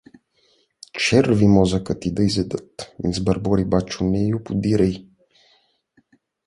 Черви мозъка ти да изедат — избърбора бачо Нею подире й.